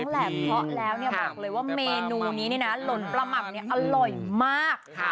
ค่ะเรียกได้ว่าเมนูนี้เนี่ยนะหล่นประหมัดเนี่ยอร่อยมากค่ะ